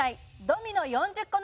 ドミノ４０個